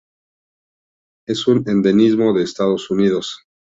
Es un endemismo de Estados Unidos.